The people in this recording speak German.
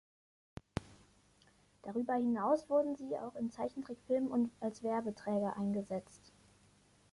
Darüber hinaus wurde sie auch in Zeichentrickfilmen und als Werbeträger eingesetzt.